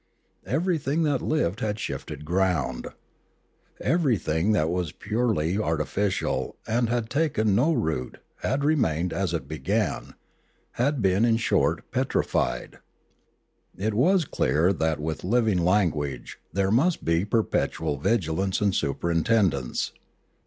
Everything that lived had shifted ground. Everything that was purely artificial and had taken no root had remained as it began, had been in short petrified. It was clear that with living language there must be perpetual vigil ance and superintendence.